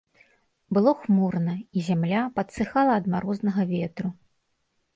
Было хмурна, і зямля падсыхала ад марознага ветру.